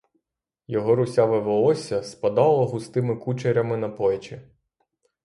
Його русяве волосся спадало густими кучерями на плечі.